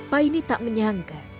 paine tak menyangka